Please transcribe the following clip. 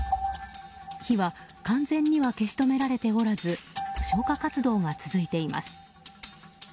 火は完全には消し止められておらず消火活動が続いています。